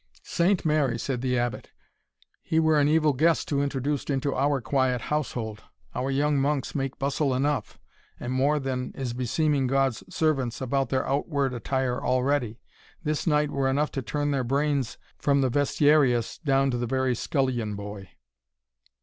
"Saint Mary," said the Abbot, "he were an evil guest to introduce into our quiet household. Our young monks make bustle enough, and more than is beseeming God's servants, about their outward attire already this knight were enough to turn their brains, from the Vestiarius down to the very scullion boy."